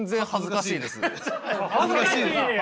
恥ずかしいんや。